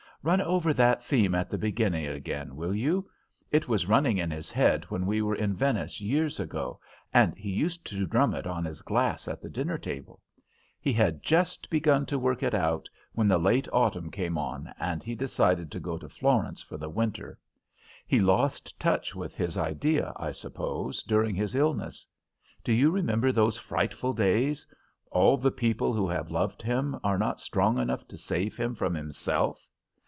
Run over that theme at the beginning again, will you? It was running in his head when we were in Venice years ago, and he used to drum it on his glass at the dinner table. He had just begun to work it out when the late autumn came on, and he decided to go to Florence for the winter. He lost touch with his idea, I suppose, during his illness. Do you remember those frightful days? All the people who have loved him are not strong enough to save him from himself!